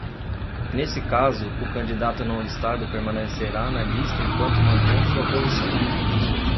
Nesse caso, o candidato não listado permanecerá na lista enquanto mantém sua posição.